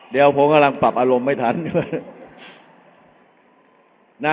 เดี๋ยวผมกำลังปรับอารมณ์ไม่ทันด้วย